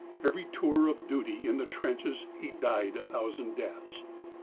Every tour of duty in the trenches he died a thousand deaths.